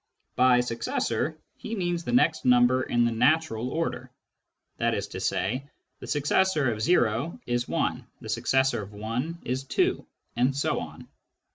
By " successor " he means the next number in the natural order. That is to say, the successor of o is 1, the successor of 1 is 2, and so on.